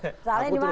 ini salah total